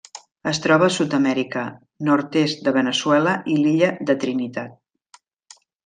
Es troba a Sud-amèrica: nord-est de Veneçuela i l'illa de Trinitat.